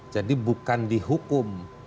jadi bukan dihukum